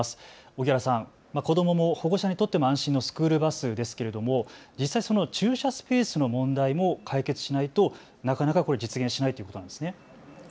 萩原さん、子どもも保護者にとっても安心なスクールバスですけれども実際、駐車スペースの問題も解決しないとなかなか実現しないということなんですね。